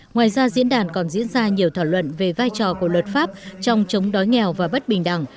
ngoài ra diễn đàn còn diễn ra nhiều thảo luận về vai trò của luật pháp trong chống đói nghèo và bất bình đẳng